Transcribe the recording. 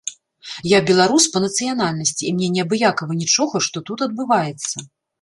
Я беларус па нацыянальнасці, і мне неабыякава нічога, што тут адбываецца.